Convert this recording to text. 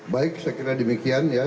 baik saya kira demikian ya